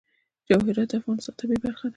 جواهرات د افغانستان د طبیعت برخه ده.